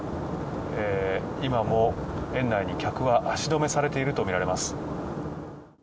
今も園内に客は足止めされているとみられます。